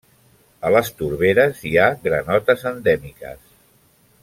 A les torberes hi ha granotes endèmiques.